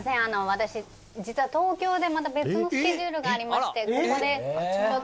私実は東京でまた別のスケジュールがありましてここでちょっと」